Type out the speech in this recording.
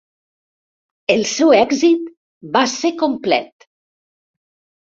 El seu èxit va ser complet.